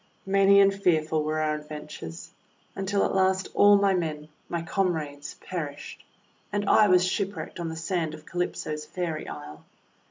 Many and fearful were our adventures, until at last all my men — my comrades — perished, and I was shipwrecked on the sand of Calypso's Fairy Isle.